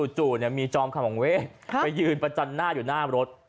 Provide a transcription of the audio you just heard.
จู่มีจอมขมังเว้ไปยืนประจันหน้าอยู่หน้ารถ